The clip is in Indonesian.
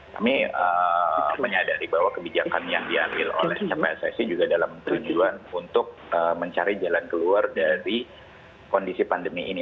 kami menyadari bahwa kebijakan yang diambil oleh pssi juga dalam tujuan untuk mencari jalan keluar dari kondisi pandemi ini